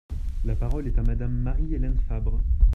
La parole est à Madame Marie-Hélène Fabre.